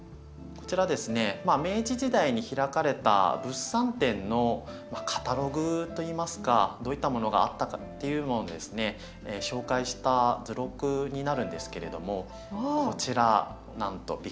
こちらですね明治時代に開かれた物産展のカタログといいますかどういったものがあったかっていうのをですね紹介した図録になるんですけれどもこちらなんとビカクシダが登場していたんです。